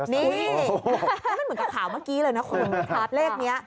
นี่แล้วมันเหมือนกับข่าวเมื่อกี้เลยนะคุณภาพเลขนี้